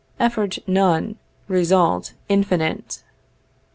effort none, result infinite.